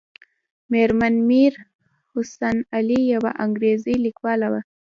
مېرمن میر حسن علي یوه انګریزۍ لیکواله وه.